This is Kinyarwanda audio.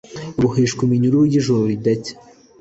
baboheshwa iminyururu y'ijoro ridacya